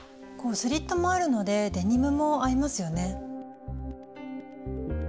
スリットもあるのでデニムも合いますよね。